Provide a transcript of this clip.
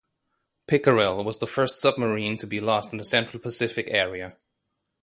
"Pickerel" was the first submarine to be lost in the Central Pacific area.